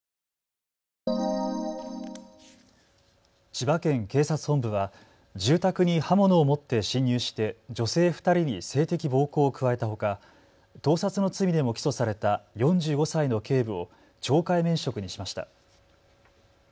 千葉県警察本部は住宅に刃物を持って侵入して女性２人に性的暴行を加えたほか盗撮の罪でも起訴された４５歳の警部を懲戒免職にしました。